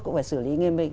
cũng phải xử lý nghiêm minh